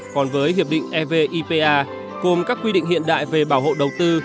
còn với hiệp định evipa cùng các quy định hiện đại về bảo hộ đầu tư